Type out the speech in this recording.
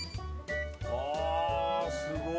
ああすごい。